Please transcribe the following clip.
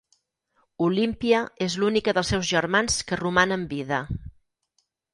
Olímpia és l'única dels seus germans que roman amb vida.